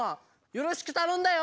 よろしくたのんだよ。